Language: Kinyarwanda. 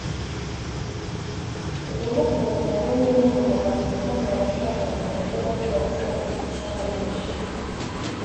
Inyungu ku nguzanyo ni imwe mu mbogamizi ikomeye abashaka inguzanyo bemeza ko ibabuza amahirwe kuko usanga ari nyinshi